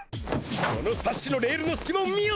このサッシのレールのすきまを見よ！